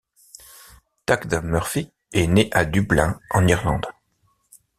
Tadhg Murphy est né à Dublin en Irlande.